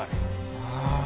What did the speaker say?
ああ。